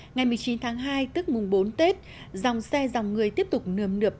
ngày một mươi chín tháng hai tức mùng bốn tết dòng xe dòng người tiếp tục nườm nượp